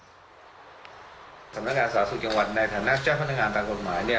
สำนัครสาธารณสุขจังหวัดในฐานะเจ้าพัฒนางานตางกรกฎหมาย